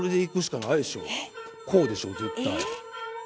こうでしょ絶対。